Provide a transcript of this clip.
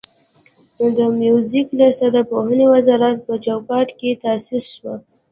د موزیک لیسه د پوهنې وزارت په چوکاټ کې تاسیس شوه.